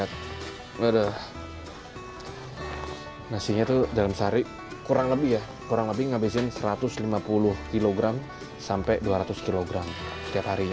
kalo nanti di dalam sarik kurang lebih ya kurang lebih ngabisin satu ratus lima puluh kilogram sampai dua ratus kilogram setiap harinya